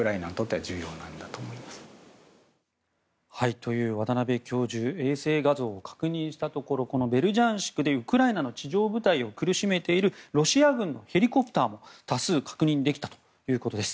という渡邉教授衛星画像を確認したところこのベルジャンシクでウクライナの地上部隊を苦しめているロシア軍のヘリコプターも多数確認できたということです。